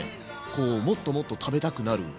こうもっともっと食べたくなる。